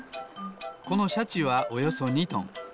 このシャチはおよそ２トン。